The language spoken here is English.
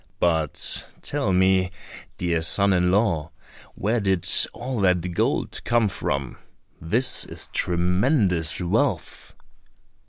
But tell me, dear son in law, where did all that gold come from? this is tremendous wealth!"